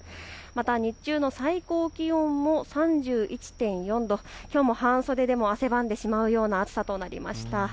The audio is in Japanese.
日中の最高気温も３１．４度ときょうも半袖でも汗ばんでしまうような日となりました。